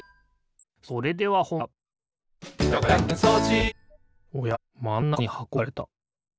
それではほんばんだおやまんなかにはこがおかれた。